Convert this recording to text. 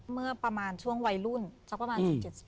เมื่อประมาณช่วงวัยรุ่นสักประมาณ๑๗๐